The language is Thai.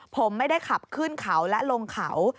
ผมไม่ได้ขับขึ้นเขาและลงเขา